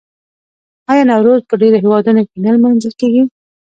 آیا نوروز په ډیرو هیوادونو کې نه لمانځل کیږي؟